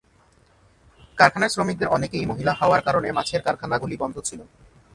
কারখানার শ্রমিকদের অনেকেই মহিলা হওয়ার কারণে মাছের কারখানাগুলি বন্ধ ছিল।